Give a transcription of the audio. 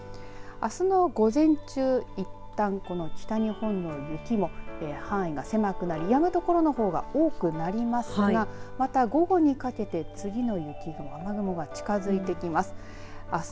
あすの午前中、いったん北日本の雪も範囲が狭くなりやむ所の方が多くなりますがまた午後にかけて次の雪、雨雲が近づいてきます。